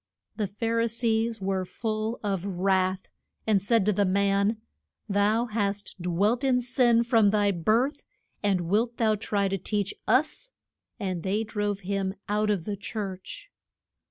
The Phar i sees were full of wrath, and said to the man, Thou hast dwelt in sin from thy birth, and wilt thou try to teach us? And they drove him out of the church.